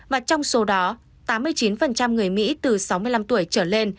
và trong số đó tám mươi chín người mỹ từ sáu mươi năm tuổi trở lên